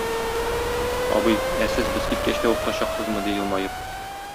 "Абый, ә Сез без киткәч тә укытачаксызмы?" - ди, елмаеп.